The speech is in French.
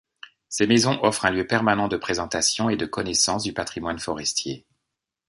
Ces maisons offrent un lieu permanent de présentation et de connaissance du patrimoine forestier.